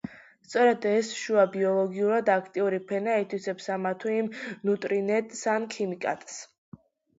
სწორედ ეს შუა, ბიოლოგიურად აქტიური ფენა ითვისებს ამა თუ იმ ნუტრიენტს, ან ქიმიკატს.